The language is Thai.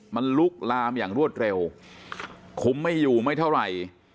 มันลุกลามอย่างรวดเร็วคุมไม่อยู่ไม่เท่าไหร่